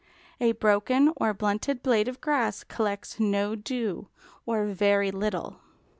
A broken or blunted blade of grass collects no dew, or very little.